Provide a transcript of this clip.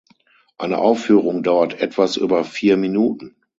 Eine Aufführung dauert etwas über vier Minuten.